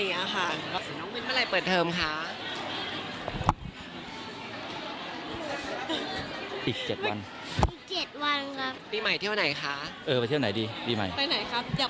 น้องบินเมื่อไรเปิดเทิมค่ะ